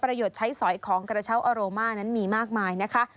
ใช้สอยของกระเช้าอาโรมานั้นมีมากมายนะคะ